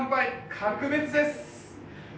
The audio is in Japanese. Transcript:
格別です！